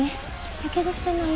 やけどしてない？